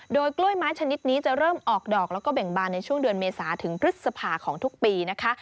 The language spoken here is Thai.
โดยกล้วยไม้ชนิดนี้จะเริ่มออกดอกแล้วก็เบ่งบานในช่วงเดือนเมษาถึงพฤษภาของทุกปีนะคะ